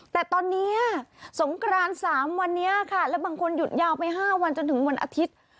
แต่ตอนนี้สงกราน๓วันนี้ค่ะและบางคนหยุดยาวไป๕วันจนถึงวันอาทิตย์